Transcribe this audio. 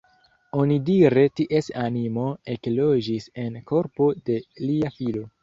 Onidire ties animo ekloĝis en korpo de lia filo.